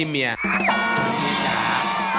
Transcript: เมียจ้า